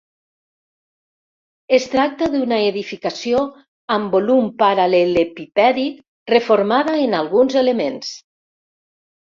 Es tracta d'una edificació amb volum paral·lelepipèdic reformada en alguns elements.